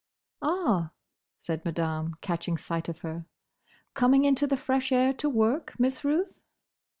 "Ah," said Madame, catching sight of her. "Coming into the fresh air to work, Miss Ruth?"